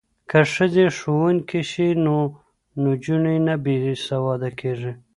که ښځې ښوونکې شي نو نجونې نه بې سواده کیږي.